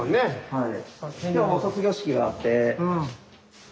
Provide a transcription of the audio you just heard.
はい。